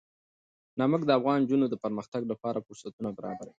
نمک د افغان نجونو د پرمختګ لپاره فرصتونه برابروي.